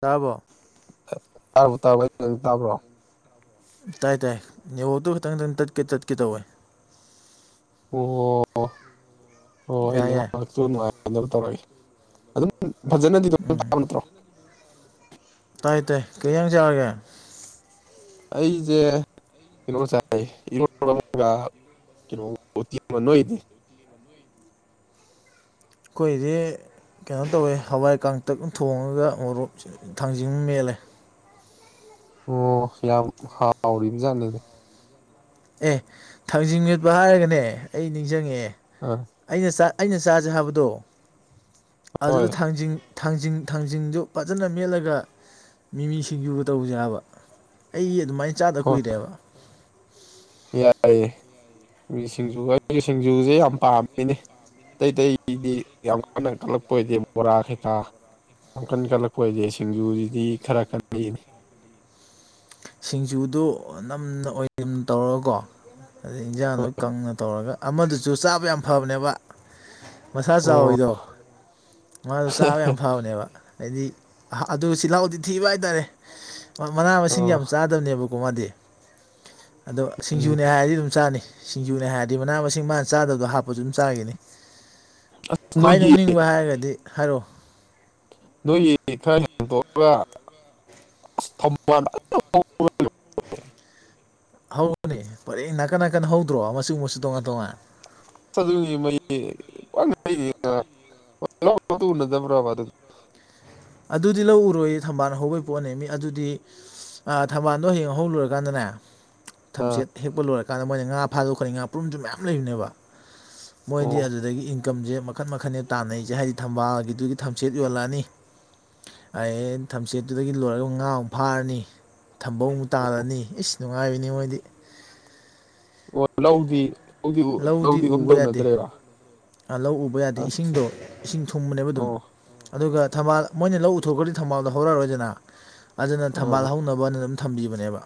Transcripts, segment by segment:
ꯇꯥꯔꯕꯣ ꯇꯥꯔꯕꯣ ꯇꯥꯕꯔꯣ ꯑꯩꯅ ꯉꯥꯡꯉꯤꯁꯦ ꯇꯥꯕ꯭ꯔꯣ ꯇꯥꯏ ꯇꯥꯏ ꯅꯦꯠꯋꯥꯔꯛꯇꯨ ꯈꯛꯇꯪ ꯈꯛꯇꯪ ꯇꯠꯀꯦ ꯇꯠꯀꯦ ꯇꯧꯋꯦ ꯑꯣ ꯑꯣ ꯌꯥꯏ ꯌꯥꯏ ꯑꯩꯅꯦꯠꯋꯥ꯭ꯔꯛꯇꯨ ꯅꯨꯡꯉꯥꯏꯅꯕ ꯇꯧꯔꯒꯦ ꯑꯗꯨꯝ ꯐꯖꯅꯗꯤ ꯑꯗꯨꯝ ꯇꯥꯕ ꯅꯠꯇ꯭ꯔꯣ ꯇꯥꯏ ꯇꯥꯏ ꯀꯩ ꯍꯤꯟꯖꯥꯡ ꯆꯥꯔꯒꯦ ꯑꯩꯖꯦ ꯀꯩꯅꯣꯒ ꯆꯥꯢꯌꯦ ꯢꯔꯣꯟꯕ ꯑꯃꯒ ꯀꯩꯅꯣ ꯎꯇꯤ ꯑꯃꯒ ꯅꯣꯢꯒꯤꯗꯤ [inaudible] ꯑꯈꯣꯏꯗꯤ ꯀꯩꯅꯣ ꯇꯧꯋꯦ ꯍꯋꯥꯏ ꯀꯥꯡꯇꯛ ꯑꯃ ꯊꯣꯡꯉꯒ ꯃꯣꯔꯣꯛ ꯊꯥꯡꯖꯤꯡ ꯑꯃ ꯃꯦꯠꯂꯦ ꯑꯣ ꯌꯥꯝ ꯍꯥꯎꯔꯤꯕ ꯖꯥꯠꯅꯤꯗ ꯑꯦ ꯊꯥꯡꯖꯤꯡ ꯃꯦꯠꯄ ꯍꯥꯏꯔꯒꯅꯦ ꯑꯩ ꯅꯤꯡꯖꯪꯉꯛꯑꯦ ꯑ ꯑꯩꯅ ꯆꯥ ꯑꯩꯅ ꯆꯥꯁꯦ ꯍꯥꯏꯕꯗꯣ ꯍꯣꯏ ꯑꯗꯨꯗ ꯊꯥꯡꯖꯤꯡ ꯊꯥꯡꯖꯤꯡ ꯊꯥꯡꯖꯤꯡꯖꯨ ꯐꯖꯅ ꯃꯦꯠꯂꯒ ꯃꯤꯃꯤ ꯁꯤꯡꯖꯨ ꯒꯥ ꯇꯧꯁꯦꯕ ꯑꯩ ꯑꯗꯨꯃꯥꯏꯅ ꯆꯥꯗ ꯀꯨꯏꯔꯦꯕ ꯌꯥꯏ ꯌꯦ ꯁꯤꯡꯖꯨ ꯑꯩ ꯁꯤꯡꯖꯨꯁꯦ ꯌꯥꯝ ꯄꯥꯝꯃꯤꯅꯦ ꯑꯇꯩ ꯑꯇꯩꯗꯤ ꯌꯥꯝ ꯋꯥꯟꯅ ꯀꯂꯛꯄ ꯑꯣꯏꯗꯦ ꯃꯣꯔꯥ ꯀꯩꯀꯥ ꯌꯥꯝ ꯀꯟ ꯀꯠꯂꯛꯄ ꯑꯣꯏꯗꯦ ꯁꯤꯡꯖꯨꯁꯤꯗꯤ ꯈꯔ ꯀꯜꯂꯛꯑꯦꯅꯦ ꯁꯤꯡꯖꯨꯗꯣ ꯅꯝꯅ ꯑꯣꯏꯅꯝ ꯇꯧꯔꯒꯀꯣ ꯑꯗꯨꯗꯩ ꯏꯟꯖꯥꯡꯗꯨ ꯍꯣꯏ ꯀꯪꯅ ꯇꯧꯔꯒ ꯑꯃꯗꯨꯁꯨ ꯆꯥꯕ ꯌꯥꯝ ꯐꯕꯅꯦꯕ ꯃꯁꯥ ꯑꯣ ꯆꯥꯎꯕꯤꯗꯣ ꯃꯥꯗꯣ ꯆꯥꯕ ꯌꯥꯝ ꯐꯕꯅꯦꯕ ꯍꯥꯏꯗꯤ ꯑꯗꯨ ꯆꯤꯜꯍꯥꯎꯗꯤ ꯊꯤꯕ ꯍꯥꯏꯇꯥꯔꯦ ꯃꯅꯥ ꯃꯁꯤꯡ ꯑꯣ ꯌꯥꯝ ꯅꯦꯕꯀꯣ ꯃꯥꯗꯤ ꯑꯗꯣ ꯎꯝ ꯁꯤꯡꯖꯨꯅꯦ ꯍꯥꯏꯔꯗꯤ ꯑꯗꯨꯝ ꯆꯥꯅꯤ ꯁꯤꯡꯖꯨꯅꯦ ꯍꯥꯏꯔꯗꯤ ꯃꯅꯥ ꯃꯁꯤꯡ ꯃꯥꯅ ꯆꯥꯗꯕꯗꯣ ꯍꯥꯞꯄꯁꯨ ꯑꯗꯨꯝ ꯆꯥꯈꯤꯅꯤ ꯈ꯭ꯋꯥꯏ ꯅꯣꯏꯒꯤ ꯅꯣꯛꯅꯤꯡꯕ ꯍꯥꯏꯔꯒꯗꯤ ꯍꯥꯏꯔꯛꯑꯣ ꯅꯣꯏꯒꯤ ꯈꯔ ꯍꯦꯟꯇꯣꯛꯑꯒ ꯑꯁ ꯊꯝꯕꯜ ꯐꯖꯟꯅ ꯍꯧꯕ [unintelligible] ꯍꯧꯕꯅꯦ ꯄꯔꯦꯡ ꯅꯥꯀꯟ ꯅꯥꯀꯟ ꯍꯧꯗ꯭ꯔꯣ ꯃꯆꯨ ꯃꯆꯨ ꯇꯣꯉꯥꯟ ꯇꯣꯉꯥꯟ ꯑꯁ ꯑꯗꯨꯒꯤꯃꯩꯅꯦ [unintelligible] ꯑꯗꯨ ꯑꯨꯅꯗꯕꯔ ꯑꯗꯨꯗꯤ ꯑꯗꯨꯗꯤ ꯂꯧ ꯎꯔꯣꯏ ꯊꯝꯕꯥꯜ ꯍꯧꯕꯒꯤ ꯄꯣꯠꯅꯦ ꯃꯤ ꯑꯗꯨꯗꯤ ꯑ ꯊꯝꯕꯥꯜꯗꯣ ꯍꯌꯦꯡ ꯍꯧ ꯂꯣꯏꯔꯀꯥꯟꯗꯅꯦ ꯊꯝꯆꯦꯠ ꯍꯦꯛꯄ ꯂꯣꯏꯔꯀꯥꯟꯗ ꯃꯣꯏꯅ ꯉꯥ ꯐꯥꯗꯣꯛꯀꯅꯤ ꯉꯥ ꯄꯨꯔꯨꯝꯁꯨ ꯃꯌꯥꯝ ꯂꯩꯕꯅꯦꯕ ꯃꯣꯏꯗꯤ ꯑꯗꯨꯗꯒꯤꯏꯟ ꯏꯟꯀꯝꯁꯦ ꯃꯈꯟ ꯃꯈꯟ ꯇꯥꯟꯅꯩꯁꯦ ꯍꯥꯏꯗꯤ ꯊꯝꯕꯥꯜꯒꯤꯗꯨꯒꯤ ꯊꯝꯆꯦꯠ ꯌꯣꯜꯂꯛꯑꯅꯤ ꯑꯩ ꯊꯝꯆꯦꯠꯇꯨꯗꯒꯤ ꯂꯣꯏꯔꯒ ꯉꯥꯃꯨꯛ ꯐꯥꯔꯅꯤ ꯊꯝꯕꯧ ꯑꯃꯨꯛ ꯇꯥꯜꯂꯅꯤ ꯏꯁ ꯅꯨꯡꯉꯥꯏꯕꯤꯅꯤ ꯃꯣꯏꯗꯤ ꯑꯣ ꯂꯧꯗꯤ ꯂꯧꯗꯤ ꯂꯧꯗꯤꯑꯝꯇ ꯎꯅꯗ꯭ꯔꯦꯕ ꯑꯥ ꯂꯧ ꯎꯕ ꯌꯥꯗꯦ ꯏꯁꯤꯡꯗꯣ ꯏꯁꯤꯡ ꯊꯨꯡꯕꯅꯦꯕ ꯑꯗꯨꯝ ꯑꯗꯨꯒ ꯊꯝꯕꯥꯜ ꯃꯣꯏꯅ ꯂꯧ ꯎꯊꯣꯛꯈ꯭ꯔꯗꯤ ꯊꯝꯕꯥꯜꯗꯣ ꯍꯧꯔꯛꯑꯔꯣꯏꯗꯅ ꯑꯗꯨꯅ ꯊꯝꯕꯥꯜ ꯍꯧꯅꯕꯅ ꯑꯗꯨꯝ ꯊꯝꯕꯤꯕꯅꯦꯕ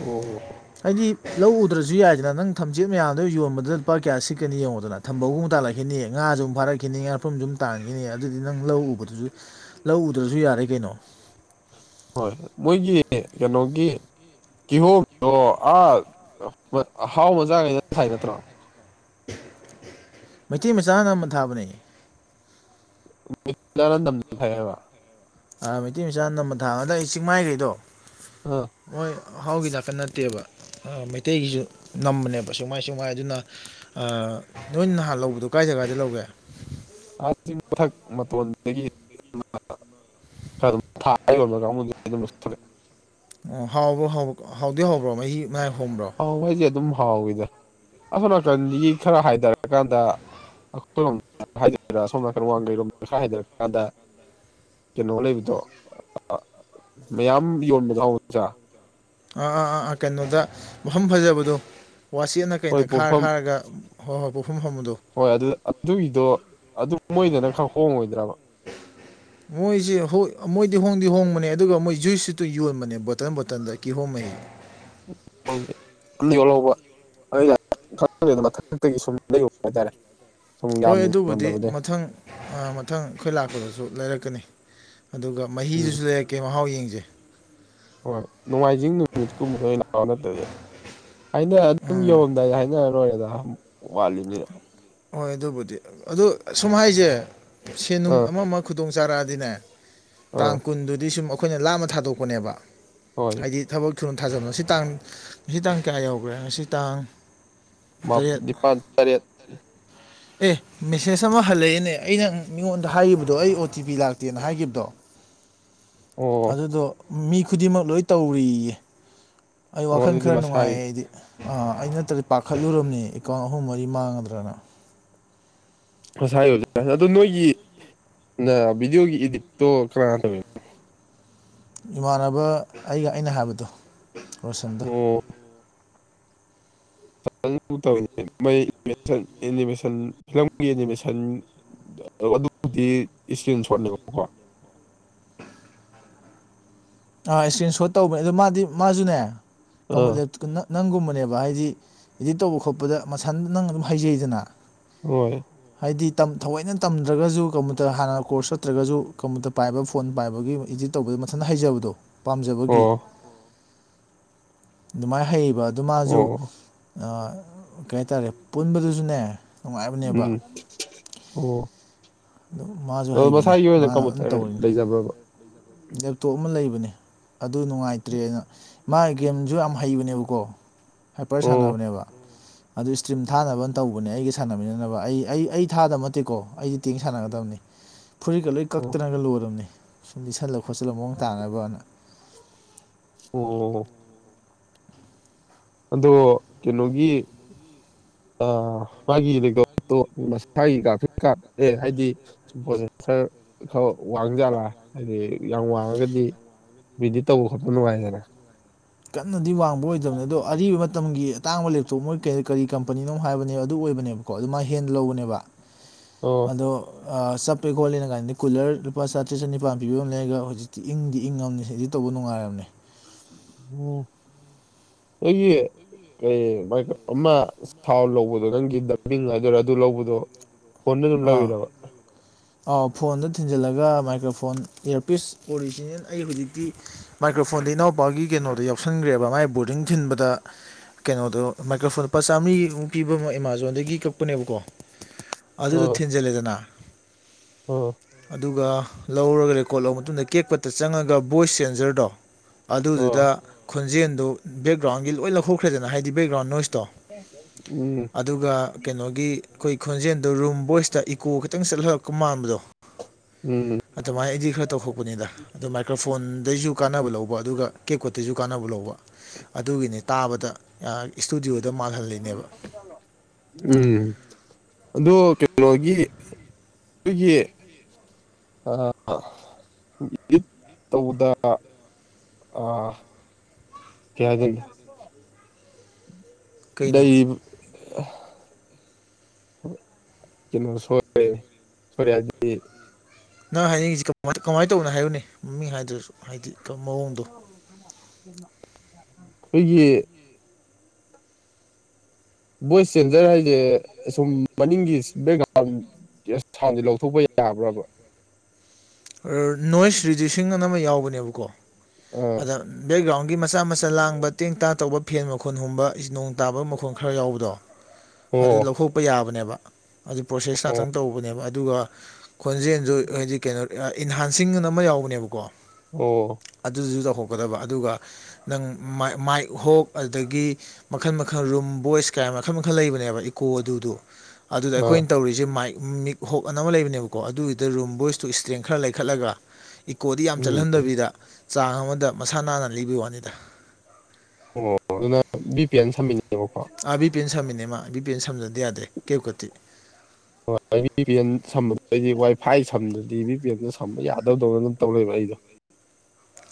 ꯑꯣ ꯍꯥꯏꯗꯤ ꯂꯧ ꯎꯗ꯭ꯔꯁꯨ ꯌꯥꯏꯗꯅ ꯅꯪ ꯊꯝꯆꯦꯠ ꯃꯌꯥꯝꯗꯣ ꯌꯣꯟꯕꯗ ꯂꯨꯄꯥ ꯀꯌꯥ ꯁꯤꯠꯀꯅꯤ ꯌꯦꯡꯉꯣꯗꯅ ꯊꯝ ꯕꯧꯑꯃꯨꯛ ꯇꯥꯜꯂꯛꯈꯤꯅꯤ ꯉꯥꯁꯨ ꯑꯃꯨꯛ ꯐꯥꯔꯛꯈꯤꯅꯤ ꯉꯥꯄꯔꯨꯝꯁꯨ ꯇꯥꯟꯈꯤꯅꯤ ꯑꯗꯨꯗꯤ ꯅꯪ ꯂꯧ ꯎꯕꯗꯨꯁꯨ ꯂꯧ ꯎꯗ꯭ꯔꯁꯨ ꯌꯥꯔꯦ ꯀꯩꯅꯣ ꯍꯣꯏ ꯃꯣꯏꯒꯤ ꯀꯩꯅꯣꯒꯤ ꯀꯤꯍꯣꯝꯗꯣ ꯑ ꯍꯥꯎꯕ ꯆꯥꯒꯦꯅ ꯊꯥꯔꯤꯅꯠꯇ꯭ꯔꯣ ꯃꯩꯇꯩ ꯃꯆꯥꯅꯑꯅꯝꯕ ꯊꯥꯕꯅꯤ [unintelligible] ꯅꯝꯅ ꯊꯥꯏ ꯍꯥꯏꯕ ꯑꯥ ꯃꯩꯇꯩ ꯃꯆꯥꯅ ꯅꯝꯅ ꯊꯥꯃꯤ ꯑꯗꯥꯏ ꯆꯤꯡꯃꯥꯏꯈꯩꯗꯣ ꯃꯣꯏ ꯍꯥꯎꯒꯤ ꯅꯥꯛꯇ ꯅꯠꯇꯦꯕ ꯃꯩꯇꯩꯒꯤꯁꯨ ꯅꯝꯕꯅꯦꯕ ꯆꯤꯡꯃꯥꯏ ꯆꯤꯡꯃꯥꯏ ꯑꯗꯨꯅ ꯅꯣꯏ ꯅꯍꯥꯟ ꯂꯧꯕꯗꯣ ꯀꯥꯏ ꯖꯒꯗꯒꯤ ꯂꯧꯒꯦ ꯑ ꯆꯤꯡ ꯃꯊꯛ ꯃꯇꯣꯟꯗꯒꯤ ꯈꯔꯥ ꯑꯗꯨꯝ ꯊꯥꯔ ꯌꯣꯟꯕ ꯀꯥꯡꯕꯨꯗꯒꯤ [unintelligible] ꯑꯣ ꯍꯥꯎꯕ꯭ꯔꯣ ꯍꯥꯎ ꯍꯥꯎꯗꯤ ꯍꯕ꯭ꯔꯣ ꯃꯍꯤ ꯃꯥꯏ ꯍꯣꯝꯕ꯭ꯔꯣ ꯍꯥꯎꯋꯤꯗ ꯑꯁꯣ ꯅꯥꯀꯟꯗꯒꯤ ꯈꯔ ꯍꯥꯏꯊꯔꯀꯥꯟꯗ ꯑꯩꯈꯣꯏꯔꯣꯝ ꯍꯏꯗꯣꯏꯔꯥ ꯁꯣꯝ ꯅꯥꯀꯜ ꯋꯥꯡꯈꯩꯔꯣꯝꯗ ꯈꯔ ꯍꯥꯏꯊꯔꯀꯥꯟꯗ ꯀꯩꯅꯣ ꯂꯩꯕꯗꯣ ꯃꯌꯥꯝ ꯌꯣꯟꯕꯗꯣ ꯍꯎ ꯃꯆꯥ ꯑꯥ ꯑꯥ ꯑꯥ ꯑꯥ ꯀꯩꯅꯣꯗ ꯃꯐꯝ ꯐꯖꯕꯗꯣ ꯋꯥꯆꯦꯠꯅ ꯍꯣꯏ ꯀꯩꯅ ꯈꯥꯔ ꯄꯣꯠꯐꯝ ꯈꯥꯔꯒ ꯍꯣꯏ ꯍꯣꯏ ꯄꯣꯠꯐꯝ ꯐꯝꯕꯗꯣ ꯍꯣꯏ ꯑꯗꯨ ꯑꯗꯨꯒꯤꯗꯣ ꯑꯗꯨ ꯃꯣꯏꯗꯨꯅ ꯈꯔ ꯍꯣꯡꯉꯣꯏꯗ꯭ꯔꯕ ꯃꯣꯏꯁꯦ ꯍꯣꯏꯃꯣꯏꯗꯤ ꯍꯣꯡꯗꯤ ꯍꯣꯡꯕꯅꯦ ꯑꯗꯨꯒ ꯃꯣꯏ ꯖꯨꯏꯁꯇꯨ ꯌꯣꯟꯕꯅꯦ ꯕꯣꯇꯜ ꯕꯣꯇꯜꯗ ꯀꯤꯍꯣꯝ ꯃꯍꯤ [unintelligible] ꯑꯩ [unintelligible] ꯃꯊꯛꯇꯒꯤ ꯁꯨꯝ ꯂꯩꯌꯣ ꯍꯥꯏ ꯇꯥꯔꯦ ꯍꯣꯏ ꯑꯗꯨꯕꯨꯗꯤ ꯃꯊꯪ ꯑ ꯃꯊꯪ ꯑꯩꯈꯣꯏ ꯂꯥꯛꯄꯗꯁꯨ ꯂꯩꯔꯛꯀꯅꯤ ꯑꯗꯨꯒ ꯎꯝ ꯃꯍꯤꯗꯨꯁꯨ ꯂꯩꯔꯛꯀꯦ ꯃꯍꯥꯎ ꯌꯦꯡꯁꯦ ꯍꯣꯏ ꯅꯣꯡꯃꯥꯏꯖꯤꯡ ꯅꯨꯃꯤꯠꯀꯨꯝꯕꯗ ꯂꯥꯛꯑꯣ ꯅꯠꯇꯗꯤ ꯑꯩꯅ ꯑꯗꯨꯝ ꯎꯝ ꯌꯧꯔꯝꯗꯥꯏꯗ ꯍꯥꯏꯅꯔꯂꯣꯏꯔꯦꯗ ꯋꯥꯠꯂꯤꯅꯤꯅ ꯍꯣꯏ ꯑꯗꯨꯕꯨꯗꯤ ꯑꯗꯨ ꯁꯨꯝ ꯍꯥꯏꯁꯦ ꯁꯦꯟꯅꯨꯡ ꯑꯥ ꯑꯃ ꯑꯃ ꯈꯨꯗꯣꯡ ꯆꯥꯔꯛꯑꯗꯤꯅꯦ ꯑꯥ ꯇꯥꯡ ꯀꯨꯟꯗꯨꯗꯤ ꯁꯨꯝ ꯑꯩꯈꯣꯏꯅ ꯂꯥꯞꯅꯥ ꯊꯥꯗꯣꯛꯄꯅꯦꯕ ꯍꯣꯏ ꯍꯥꯏꯗꯤ ꯊꯕꯛ ꯊꯨꯅ ꯊꯥꯖꯤꯟꯕ ꯉꯁꯤ ꯇꯥꯡ ꯉꯁꯤ ꯇꯥꯡ ꯀꯌꯥ ꯌꯧꯈ꯭ꯔꯦ ꯉꯁꯤ ꯇꯥꯡ ꯃꯥ ꯇꯔꯦꯠ ꯅꯤꯄꯥꯥꯟ ꯇꯔꯦꯠ ꯑꯦ ꯃꯦꯁꯦꯖ ꯑꯃ ꯍꯜꯂꯛꯑꯦꯅꯦ ꯑꯩꯅ ꯃꯤꯉꯣꯟꯗ ꯍꯥꯏꯈꯤꯕꯗꯣ ꯑꯩꯒꯤ ꯑꯣ ꯇꯤ ꯄꯤ ꯂꯥꯛꯇꯦꯅ ꯍꯥꯏꯈꯤꯕꯗꯣ ꯑꯣ ꯑꯗꯨꯗꯣ ꯃꯤ ꯈꯨꯗꯤꯡꯃꯛ ꯂꯣꯏ ꯇꯧꯔꯤꯌꯦ ꯑꯩ ꯑꯣ ꯋꯥꯈꯜ ꯑꯗꯨꯗꯤ ꯈꯔ ꯃꯁꯥꯒꯤ ꯅꯨꯡꯉꯥꯏꯌꯦ ꯑꯩꯗꯤ ꯑꯥ ꯑꯩ ꯅꯠꯇ꯭ꯔꯗꯤ ꯄꯥꯈꯠꯂꯨꯔꯕꯅꯦ ꯑꯦꯀꯥꯎꯟ ꯑꯍꯨꯝ ꯃꯔꯤ ꯃꯥꯡꯉꯗ꯭ꯔꯅ ꯉꯁꯥꯏ ꯑꯣꯗꯣꯏ ꯑꯗꯨ ꯅꯣꯏꯒꯤ ꯅꯥ ꯚꯤꯗꯤꯑꯣꯒꯤ ꯏꯗꯤꯠꯇꯣ ꯀꯅꯅꯥ ꯇꯧꯋꯤꯅꯣ ꯏꯃꯥꯟꯅꯕ ꯑꯩꯒ ꯑꯩꯅ ꯍꯥꯏꯕꯗꯣ ꯔꯣꯁꯟꯗꯣ ꯑꯣ [unintelligible] ꯑꯦꯅꯤꯃꯦꯁꯟ ꯐꯤꯂꯝꯒꯤ ꯑꯦꯅꯤꯃꯦꯁꯟ ꯑꯗꯨꯕꯨꯗꯤ ꯏꯁꯀ꯭ꯔꯤꯟ ꯁꯣꯠꯅꯦꯕꯀꯣ ꯏꯁꯀ꯭ꯔꯤꯟ ꯁꯣꯠ ꯇꯧꯕꯅꯦ ꯑꯗꯣ ꯃꯥꯗꯤ ꯃꯥꯁꯨꯅꯦ ꯑꯥ ꯀꯃꯨꯂꯦ [unintelligible] ꯅꯪꯒꯨꯝꯕꯅꯦꯕ ꯍꯥꯏꯗꯤ ꯏꯗꯤꯠ ꯇꯧꯕ ꯈꯣꯠꯄꯗ ꯃꯁꯟ ꯅꯪ ꯑꯗꯨꯝ ꯍꯩꯖꯩꯗꯅ ꯍꯣꯏ ꯍꯥꯏꯗꯤ ꯇꯝ ꯊꯑꯣꯏꯅ ꯇꯝꯗ꯭ꯔꯒꯁꯨ ꯀꯝꯄꯨꯇꯔ ꯍꯥꯟꯅ ꯀꯣꯔꯁ ꯆꯠꯇ꯭ꯔꯒꯁꯨ ꯀꯝꯄꯨꯇꯔ ꯄꯥꯏꯕ ꯐꯣꯟ ꯄꯥꯏꯕꯒꯤ ꯏꯗꯤꯠ ꯇꯧꯕꯗꯣ ꯃꯊꯟꯗ ꯍꯩꯖꯕꯗꯣ ꯄꯥꯝꯖꯕꯒꯤ ꯑꯣ ꯑꯗꯨꯃꯥꯏꯅ ꯍꯩꯕ ꯑꯗꯨ ꯃꯥꯁꯨ ꯑꯣ ꯑꯥ ꯀꯩ ꯍꯥꯏ ꯇꯥꯔꯦ ꯄꯨꯟꯕꯗꯨꯁꯨꯅꯦ ꯅꯨꯡꯉꯥꯏꯕꯅꯦꯕ ꯎꯝ ꯑꯣ ꯑꯗꯨ ꯃꯥꯁꯨ ꯑꯗꯣ ꯍꯩꯕꯅꯦ ꯃꯁꯥꯒꯤ ꯑꯣꯏꯅ ꯃꯥꯅ ꯑꯗꯨꯝ ꯀꯝꯄꯨꯇꯔ ꯇꯧꯔꯤꯅꯤ ꯂꯩꯖꯕ꯭ꯔꯕ ꯂꯦꯞꯇꯣꯞ ꯑꯃ ꯂꯩꯕꯅꯦ ꯑꯗꯨ ꯅꯨꯡꯉꯥꯏꯇ꯭ꯔꯦꯅ ꯃꯥ ꯒꯦꯝꯁꯨ ꯌꯥꯝ ꯍꯩꯕꯅꯦꯕꯀꯣ ꯍꯥꯏꯄꯔ ꯑꯣ ꯁꯥꯟꯅꯕꯅꯦꯕ ꯑꯗꯨ ꯏꯁꯇ꯭ꯔꯤꯝ ꯊꯥꯅꯕꯅ ꯇꯧꯕꯅꯦ ꯑꯩꯒ ꯁꯥꯟꯅꯃꯤꯅꯅꯕ ꯑꯩ ꯑꯩ ꯑꯩ ꯊꯥꯗꯕ ꯅꯠꯇꯦꯀꯣ ꯑꯩꯗꯁꯨ ꯇꯤꯡ ꯁꯥꯟꯅꯒꯗꯕꯅꯤ ꯐꯨꯔꯤꯠꯀ ꯂꯣꯏ ꯑꯣ ꯀꯛꯇꯅꯒ ꯂꯣꯏꯔꯕꯅꯤ ꯁꯨꯝ ꯂꯤꯁꯜꯂ ꯈꯣꯠꯆꯤꯜꯂꯒ ꯃꯑꯣꯡ ꯇꯥꯅꯕꯅ ꯑꯣ ꯑꯗꯣ ꯀꯩꯅꯣꯒꯤ ꯑ ꯃꯥꯒꯤ ꯥ [unintelligible] ꯐꯤꯛ ꯀꯥꯔ ꯑꯦ ꯍꯥꯏꯗꯤ ꯁꯨꯝ ꯈꯥ ꯋꯥꯡꯖꯥꯂꯥ ꯍꯥꯏꯗꯤ ꯌꯥꯝ ꯋꯥꯡꯉꯒꯗꯤ ꯕꯤꯗꯤꯠ ꯇꯧꯕ ꯈꯣꯠꯄ ꯅꯨꯡꯉꯥꯏꯗꯅ ꯀꯟꯅꯗꯤ ꯋꯥꯡꯕ ꯑꯣꯏꯗꯕꯅꯦ ꯑꯗꯣ ꯑꯔꯤꯕ ꯃꯇꯝꯒꯤ ꯑꯇꯥꯡꯕ ꯂꯦꯞꯇꯣꯞ ꯃꯣꯏ ꯀꯔꯤ ꯀꯔꯤ ꯀꯝꯄꯅꯤꯅꯣ ꯍꯥꯏꯕꯅꯦ ꯑꯗꯨ ꯑꯣꯏꯕꯅꯦꯕꯀꯣ ꯑꯗꯨ ꯃꯥ ꯍꯦꯟꯗ ꯂꯧꯕꯅꯦꯕ ꯑꯣ ꯑꯗꯣ ꯑꯥ ꯆꯞꯄꯦ ꯈꯣꯠꯂꯦꯅ ꯀꯥꯏꯅꯗꯤ ꯀꯨꯂꯔ ꯂꯨꯄꯥ ꯆꯥꯇ꯭ꯔꯦ ꯆꯅꯤꯄꯥꯟ ꯄꯤꯕ ꯑꯃ ꯂꯩꯔꯒ ꯍꯧꯖꯤꯛꯇꯤ ꯏꯪꯗꯤ ꯏꯪꯉꯕꯅꯦ ꯁꯤꯗꯗꯤ ꯇꯧ ꯕꯨ ꯅꯨꯡꯉꯥꯏꯔꯕꯅꯦ ꯎꯝ ꯑꯩꯒꯤ ꯀꯩ ꯃꯥꯏ ꯑꯃ ꯊꯥꯎ ꯂꯧꯕꯗꯣ ꯅꯪꯒꯤ ꯗꯝꯕꯤꯡ ꯍꯥꯏꯗꯣꯏꯔꯥ ꯑꯗꯨ ꯂꯧꯕꯗꯣ ꯐꯣꯟꯗ ꯑꯗꯨꯝ ꯑꯥ ꯂꯧꯔꯤꯔꯕ ꯑꯥꯎ ꯐꯣꯟꯗ ꯊꯤꯟꯖꯤꯜꯂꯒ ꯃꯥꯏꯀ꯭ꯔꯣꯐꯣꯟ ꯏꯌꯥꯔꯄꯤꯁ ꯑꯣꯔꯤꯖꯤꯅꯦꯜ ꯑꯩ ꯍꯧꯖꯤꯛꯇꯤ ꯃꯥꯏꯀ꯭ꯔꯣꯐꯣꯟ ꯏꯅꯥꯎꯄꯥꯒꯤ ꯀꯩꯅꯣꯗꯣ ꯌꯥꯎꯁꯟꯈ꯭ꯔꯦꯕ ꯃꯥꯏ ꯕꯣꯔꯗꯤꯡ ꯊꯤꯟꯕꯗ ꯀꯩꯅꯣꯗꯣ ꯃꯥꯏꯀ꯭ꯔꯣꯐꯣꯟ ꯂꯨꯄꯥ ꯆꯥꯝꯃꯔꯤꯃꯨꯛ ꯄꯤꯕ ꯑꯃꯨ ꯑꯦꯃꯥꯖꯣꯟꯗꯒꯤ ꯀꯛꯄꯅꯦꯕꯀꯣ ꯑꯗꯨꯗꯣ ꯑꯥ ꯊꯤꯟꯖꯜꯂꯦꯗꯅ ꯑꯥ ꯑꯗꯨꯒ ꯂꯧꯔꯒ ꯔꯦꯀꯣꯔꯠ ꯂꯧꯕ ꯃꯇꯨꯡꯗ ꯀꯦꯛꯄꯠꯇ ꯆꯪꯉꯒ ꯚꯣꯏꯁ ꯁꯦꯟꯖꯔꯗꯣ ꯑꯥ ꯑꯗꯨꯗꯨꯗ ꯈꯣꯟꯖꯦꯜꯗꯨ ꯕꯦꯛꯒ꯭ꯔꯥꯎꯟ ꯒꯤ ꯂꯣꯏ ꯂꯧꯊꯣꯛꯈ꯭ꯔꯦꯗꯅ ꯍꯥꯏꯗꯤ ꯕꯦꯛꯒ꯭ꯔꯥꯎꯟ ꯅꯣꯏꯁ ꯇꯣ ꯎꯝ ꯑꯗꯨꯒ ꯀꯩꯅꯣꯒꯤ ꯑꯩꯈꯣꯏ ꯈꯣꯟꯖꯦꯜ ꯗꯣ ꯔꯨꯝ ꯕꯣꯏꯁꯇ ꯏꯀꯣ ꯈꯤꯇꯪ ꯆꯠꯍꯜꯂꯛꯄ ꯃꯥꯟꯕꯗꯣ ꯎꯝ ꯑꯗꯨꯃꯥꯏꯅ ꯑꯩꯗꯤ ꯈꯔ ꯇꯧꯊꯣꯛꯄꯅꯤꯗ ꯑꯗꯨ ꯃꯥꯏꯀꯔꯐꯣꯟꯗꯩꯁꯨ ꯀꯥꯟꯅꯕ ꯂꯧꯕ ꯑꯗꯨꯒ ꯀꯦꯀꯣꯠꯇꯩꯁꯨ ꯀꯥꯟꯅꯕ ꯂꯧꯕ ꯑꯗꯨꯒꯤꯅꯤ ꯇꯥꯕꯗ ꯏꯁꯇꯨꯗꯤꯑꯣꯗ ꯃꯥꯜꯍꯜꯂꯤꯅꯦꯕ ꯎꯝ ꯑꯗꯨ ꯀꯩꯅꯣꯒꯤ ꯑꯗꯨꯒꯤ ꯑ ꯏꯤꯠ ꯇꯧꯕꯗ ꯑ ꯀꯩꯍꯥꯏꯗꯣꯏꯅꯣ ꯀꯩꯅꯣ ꯂꯩꯩ ꯀꯩꯅꯣ ꯁꯣꯢꯔꯦ ꯁꯣꯢꯔꯦ ꯍꯥꯏꯕꯗꯤ ꯅꯪ ꯍꯥꯏꯅꯤꯡꯉꯤꯁꯤ ꯀꯃꯥꯏꯅ ꯇꯧꯅꯣ ꯍꯥꯏꯌꯨꯅꯦ ꯃꯃꯤꯡ ꯍꯥꯏꯗ꯭ꯔꯁꯨ ꯍꯥꯏꯗꯤ ꯃꯑꯣꯡꯗꯣ ꯑꯩꯒꯤ ꯚꯣꯏꯁ ꯆꯦꯟꯖꯔ ꯍꯥꯏꯁꯦ ꯁꯨꯝ ꯃꯅꯤꯡꯒꯤ ꯕꯦꯛꯒ꯭ꯔꯥꯎꯟ ꯖꯦꯁ ꯁꯥꯎꯟꯖꯦ ꯂꯧꯊꯣꯛꯄ ꯌꯥꯕ꯭ꯔꯕ ꯅꯣꯏꯁ ꯔꯤꯗ꯭ꯌꯨꯁꯤꯡ ꯑꯅ ꯑꯃ ꯌꯥꯎꯕꯅꯦꯕꯀꯣ ꯑꯥ ꯑꯗ ꯕꯦꯛꯒ꯭ꯔꯥꯎꯟꯒꯤ ꯃꯆꯥ ꯃꯆꯥ ꯂꯥꯡꯕ ꯇꯦꯡ ꯇꯥ ꯇꯧꯕ ꯐꯦꯟ ꯃꯈꯣꯟ ꯍꯨꯝꯕ ꯏꯁ ꯅꯣꯡ ꯇꯥꯕ ꯃꯈꯣꯟ ꯈꯔ ꯌꯥꯎꯕꯗꯣ ꯑꯗꯨ ꯑꯣ ꯂꯧꯊꯣꯛꯄ ꯌꯥꯕꯅꯦꯕ ꯑꯗꯨ ꯄ꯭ꯔꯣꯁꯦꯁ ꯑꯣ ꯉꯥꯛꯇꯪ ꯇꯧꯕꯅꯦꯕ ꯑꯗꯨꯒ ꯈꯣꯟꯖꯦꯜꯁꯨ ꯍꯥꯏꯗꯤ ꯀꯩꯅꯣ ꯏꯟꯍꯥꯟꯁꯤꯡ ꯑꯃ ꯌꯥꯎꯕꯅꯦꯕꯀꯣ ꯑꯣ ꯑꯗꯨꯁꯨ ꯇꯧꯍꯧ ꯒꯗꯕ ꯒꯗꯨꯒ ꯅꯪ ꯃꯥꯢ ꯃꯥꯢ ꯍꯣꯞ ꯑꯗꯒꯤ ꯃꯈꯜ ꯃꯈꯜ ꯔꯨꯝ ꯚꯣꯢꯁ ꯀꯥꯏ ꯃꯈꯜ ꯃꯈꯜ ꯂꯩꯕꯅꯦꯕ ꯏꯀꯣ ꯑꯗꯨꯗꯨ ꯑꯗꯨꯗ ꯑꯥ ꯑꯩꯈꯣꯏꯅ ꯇꯧꯔꯤꯁꯦ ꯃꯥꯏꯛ ꯃꯤꯛ ꯍꯣꯛ ꯑꯅ ꯑꯃ ꯂꯩꯕꯅꯦꯕꯀꯣ ꯑꯗꯨꯒꯤꯗ ꯔꯨꯝ ꯕꯣꯏꯁꯇꯣ ꯇ꯭ꯔꯦꯡ ꯈꯔ ꯂꯩꯈꯠꯂꯒ ꯏꯀꯣꯗꯤ ꯌꯥꯝ ꯎꯝ ꯆꯠꯍꯟꯗꯕꯤꯗ ꯆꯥꯡ ꯑꯃꯗ ꯃꯁꯥ ꯅꯥꯟꯅ ꯂꯤꯕꯩ ꯋꯥꯅꯤꯗ ꯑꯣ ꯑꯗꯨꯅ ꯕꯤ ꯄꯤ ꯑꯦꯟ ꯁꯝꯃꯤꯅꯦꯕꯀꯣ ꯑꯥ ꯕꯤ ꯄꯤꯑꯦꯟ ꯁꯝꯃꯤꯅꯦ ꯃꯥ ꯕꯤ ꯄꯤꯑꯦꯟ ꯁꯝꯖꯟꯗ ꯌꯥꯗꯦ ꯀꯦꯞꯀꯠꯇꯤ ꯑ ꯕꯤ ꯄꯤ ꯑꯦꯜ ꯁꯝꯕꯗꯩꯗꯤ ꯋꯥꯏ ꯐꯥꯏ ꯁꯝꯗ꯭ꯔꯗꯤ ꯚꯤ ꯄꯤ ꯑꯦꯜꯗ ꯁꯝꯕ ꯌꯥꯗꯗꯧꯅ ꯑꯗꯨꯝ ꯇꯧ ꯂꯩꯕ ꯑꯩꯗꯣ [inaudible]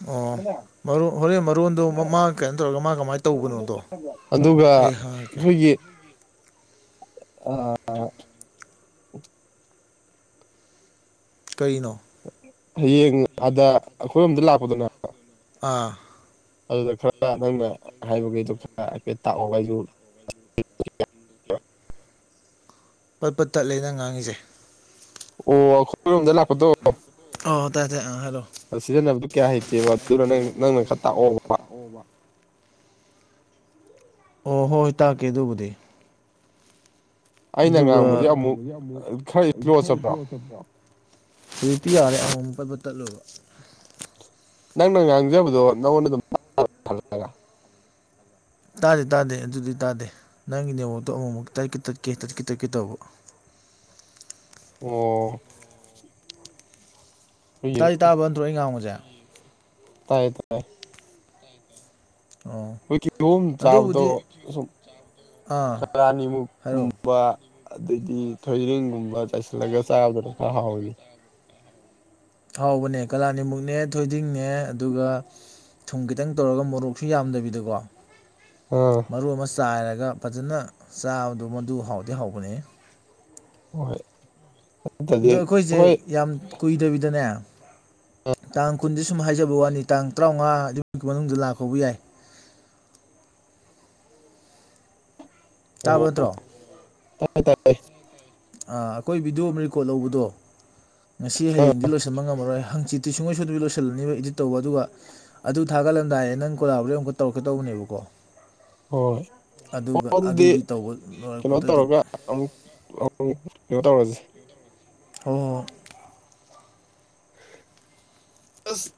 ꯑꯣ ꯃꯔꯨ ꯍꯣꯔꯦꯟ ꯃꯔꯣꯟꯗꯣ ꯃꯥ ꯀꯩꯅꯣ ꯇꯧꯔꯒ ꯃꯥ ꯀꯃꯥꯏꯅ ꯇꯧꯕꯅꯣꯗꯣ ꯑꯗꯨꯒ ꯑꯩ ꯍꯪꯉꯛꯀꯦ ꯑꯩꯈꯣꯏꯒꯤ ꯑ ꯑ ꯀꯩꯅꯣ ꯍꯌꯦꯡ ꯑꯥꯗ ꯑꯩꯈꯣꯏꯔꯣꯝꯗ ꯂꯥꯛꯄꯗꯅꯦ ꯑꯥ ꯑꯗꯨꯗ ꯈꯔ ꯅꯪꯅ ꯍꯥꯏꯕꯈꯩꯗꯣ ꯈꯔ ꯍꯥꯏꯐꯦꯠ ꯇꯥꯛꯑꯣꯕ ꯑꯩꯁꯨ [unintelligible] ꯄꯠ ꯄꯠ ꯇꯠꯂꯦ ꯅꯪ ꯉꯥꯡꯉꯤꯁꯦ ꯑꯣ ꯑꯈꯣꯢꯔꯣꯝꯗ ꯂꯥꯛꯄꯗꯣ ꯑꯣ ꯇꯥꯏ ꯇꯥꯏ ꯑꯥ ꯍꯥꯏꯔꯣ ꯁꯤꯖꯤꯟꯅꯕꯗꯨ ꯀꯌꯥ ꯍꯩꯇꯦꯕ ꯑꯗꯨꯅ ꯅꯪ ꯅꯪꯅ ꯈꯔ ꯇꯥꯛꯑꯣꯕ ꯑꯣ ꯍꯣꯏ ꯇꯥꯛꯀꯦ ꯑꯗꯨꯕꯨꯗꯤ ꯑꯩꯅ ꯑꯗꯨꯒ ꯉꯥꯡꯕꯁꯦ ꯑꯃꯨꯛ ꯈꯔ ꯏꯁꯂꯣ ꯆꯠꯄ꯭ꯔꯣ ꯍꯧꯖꯤꯛꯇꯤ ꯌꯥꯔꯦ ꯑꯃꯨꯝ ꯃꯨꯛ ꯄꯠ ꯄꯠ ꯇꯠꯂꯨꯕ ꯅꯪꯅ ꯉꯥꯡꯖꯕꯗꯣ ꯅꯪꯉꯣꯟꯗ ꯑꯗꯨꯝ [unintelligible] ꯇꯥꯗꯦ ꯇꯥꯗꯦ ꯑꯗꯨꯗꯤ ꯇꯥꯗꯦ ꯅꯪꯒꯤ ꯅꯦꯋꯣꯇꯣ ꯑꯃꯨꯛꯃꯨꯛ ꯇꯠꯀꯦ ꯇꯠꯀꯦ ꯇꯠꯀꯦ ꯇꯠꯀꯦ ꯇꯧꯕ ꯑꯣ ꯑꯩꯈꯣꯏꯒꯤ ꯇꯥꯗꯤ ꯇꯥꯕ ꯅꯠꯇ꯭ꯔꯣ ꯑꯩ ꯉꯥꯡꯕꯁꯦ ꯇꯥꯏꯌꯦ ꯇꯥꯏ ꯑꯣ ꯍꯧ ꯀꯤꯍꯣꯝ ꯆꯥꯕꯗꯣ ꯑꯗꯨꯕꯨꯗꯤ ꯁꯨꯝ ꯑꯥ ꯍꯥꯏꯔꯛꯑꯣ ꯀꯔꯥꯅꯤꯃꯨꯛꯀꯨꯝꯕ ꯑꯗꯩꯗꯤ ꯊꯣꯏꯗ꯭ꯔꯤꯡꯒꯨꯝꯕ ꯆꯥꯏꯁꯤꯜꯂꯒ ꯆꯥꯕꯗꯨꯅ ꯈꯔ ꯍꯥꯎꯋꯅꯤ ꯍꯥꯎꯕꯅꯦ ꯀꯂꯥꯅꯤꯃꯨꯛꯅꯦ ꯊꯣꯏꯗꯤꯡꯅꯦ ꯑꯗꯨꯒ ꯊꯨꯝ ꯈꯤꯇꯪ ꯇꯧꯔꯒ ꯃꯣꯔꯣꯛꯁꯨ ꯌꯥꯝꯗꯕꯤꯗꯀꯣ ꯑꯥ ꯃꯔꯨ ꯑꯃ ꯆꯥꯏꯔꯒ ꯐꯖꯅ ꯆꯥꯕꯗꯣ ꯃꯗꯨ ꯍꯥꯎꯗꯤ ꯍꯥꯎꯕꯅꯦꯍꯦ ꯍꯣꯏ ꯑꯗꯨꯗꯤ ꯗꯣ ꯑꯩꯈꯣꯏꯁꯦ ꯍꯣꯏ ꯌꯥꯝ ꯀꯨꯏꯗꯕꯤꯗꯅꯦ ꯇꯥꯡ ꯀꯨꯟꯗꯤ ꯁꯨꯝ ꯍꯥꯏꯖꯕ ꯋꯥꯅꯤ ꯇꯥꯡ ꯇ꯭ꯔꯥꯝꯉꯥ ꯗꯨꯃꯨꯛꯀꯤ ꯃꯅꯨꯡꯗ ꯂꯥꯛꯄꯕꯨ ꯌꯥꯏ [inaudible] ꯑꯣ ꯇꯥꯕ ꯅꯠꯇ꯭ꯔꯣ ꯇꯥꯏ ꯇꯥꯏ ꯑꯥ ꯑꯈꯣꯏ ꯚꯤꯗꯤꯑꯣ ꯑꯃ ꯔꯦꯀꯣꯔꯠ ꯂꯧꯕꯗꯣ ꯉꯁꯤ ꯑꯥ ꯍꯌꯦꯡꯗꯤ ꯂꯣꯏꯁꯤꯟꯕ ꯉꯝꯃꯔꯣꯏ ꯍꯪ ꯆꯤꯠꯇꯤ ꯁꯨꯡꯉꯣꯏ ꯁꯣꯏꯗꯕꯤ ꯂꯣꯏꯁꯤꯜꯂꯅꯤꯕ ꯏꯗꯤꯠ ꯇꯧꯕ ꯑꯗꯨꯒ ꯑꯗꯨ ꯊꯥꯒꯠꯂꯝꯗꯥꯏꯗ ꯅꯪ ꯀꯣꯂꯥꯕꯣꯔꯦꯗ ꯑꯃꯨꯛꯀ ꯇꯧꯔꯛꯀꯦ ꯇꯧꯕꯅꯦꯕ ꯀꯣ ꯍꯣꯏ [unintelligible] ꯇꯧꯕ ꯀꯩꯅꯣ ꯂꯣꯏꯔꯛꯄꯗ ꯑꯗꯨꯝ ꯇꯧꯔꯒ ꯑꯃꯨꯛ [unintelligible] ꯀꯩꯅꯣ ꯇꯧꯔꯖꯤ ꯍꯣ ꯍꯣꯏ ꯑꯁ